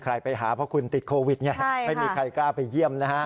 ใครไปหาเพราะคุณติดโควิดไม่มีใครกล้าไปเยี่ยมนะฮะ